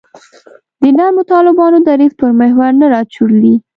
د نرمو طالبانو دریځ پر محور نه راچورلي.